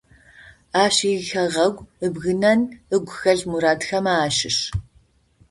Ащ ихэгъэгу ыбгынэн ыгу хэлъ мурадхэмэ ащыщ.